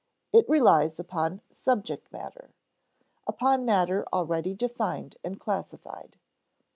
It relies upon subject matter upon matter already defined and classified.